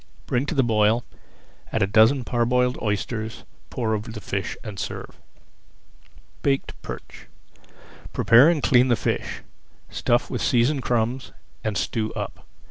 Bring to the boil, add a dozen parboiled oysters, pour over the fish, and serve. BAKED PERCH Prepare and clean the fish, stuff with seasoned crumbs, and sew up.